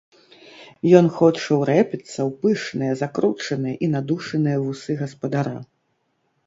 Ён хоча ўрэпіцца ў пышныя закручаныя і надушаныя вусы гаспадара.